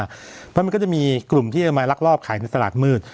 เพราะมันก็จะมีกลุ่มที่จะมาลักลอบขายในตลาดมืด